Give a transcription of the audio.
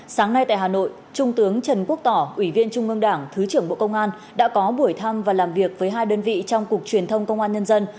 sáng nay tại hà nội trung tướng trần quốc tỏ ủy viên trung ương đảng thứ trưởng bộ công an đã có buổi thăm và làm việc với hai đơn vị trong cục truyền thông công an nhân dân